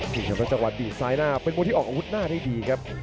ดูจังหวะดีซ้ายหน้าเป็นมวยที่ออกอาวุธหน้าได้ดีครับ